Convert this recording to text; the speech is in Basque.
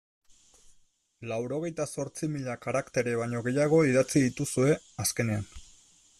Laurogeita zortzi mila karaktere baino gehiago idatzi dituzue azkenean.